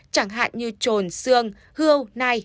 chẳng hạn như trồn xương hươu nai